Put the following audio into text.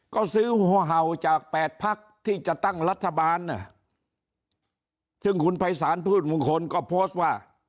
ก็ซื้อหัวเห่าจากแปดพักที่จะตั้งรัฐบาลซึ่งคุณภัยศาลพืชมงคลก็โพสต์ว่า